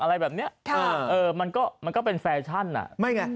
อะไรแบบเนี้ยค่ะเออมันก็มันก็เป็นแฟชั่นอ่ะไม่ไง